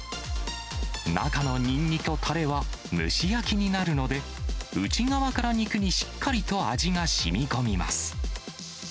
中のニンニクとたれは蒸し焼きになるので、内側から肉にしっかりと味がしみこみます。